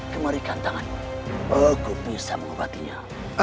kemarikan tanganmu aku bisa mengobatinya